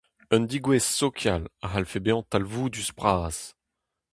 Un degouezh sokial a c'hallfe bezañ talvoudus-bras.